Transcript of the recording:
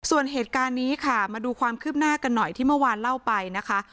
ส่วนเหตุการณ์นี้ค่ะมาดูความคืบหน้ากันหน่อยที่เมื่อวานเล่าไปนะคะ